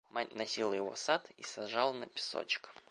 Мать носила его в сад и сажала на песочек.